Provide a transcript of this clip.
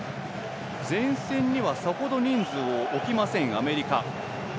前線にはさほど人数をおきませんアメリカ。